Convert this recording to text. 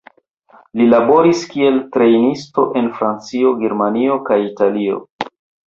Li laboris kiel trejnisto en Francio, Germanio kaj Italio.